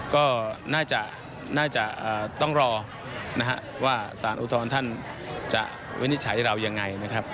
ก็น่าจะต้องรอนะฮะว่าสารอุทธรณ์ท่านจะวินิจฉัยเรายังไงนะครับ